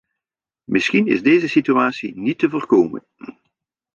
Misschien is deze situatie niet te voorkomen.